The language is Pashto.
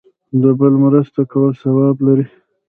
د بل مرسته کول ثواب لري